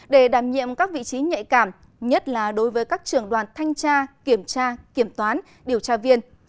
để đảm nhiệm các vị trí nhạy cảm nhất là đối với các trưởng đoàn thanh tra kiểm tra kiểm toán điều tra viên